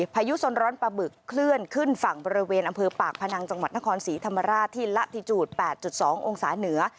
พายุสนร้อนปลาบึกเคลื่อนขึ้นฝั่งบริเวณอำเภอปากพนังจังหวัดนครศรีธรรมราชที่ละทิจูด๘๒องศาเหนือ